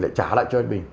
lại trả lại cho mình